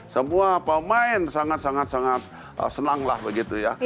semua pemain sangat sangat senang lah begitu ya